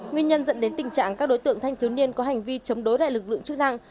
nguyên nhân dẫn đến tình trạng các đối tượng thanh thiếu niên có hành vi chống đối đại lực lượng chức năng